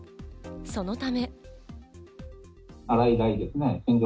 そのため。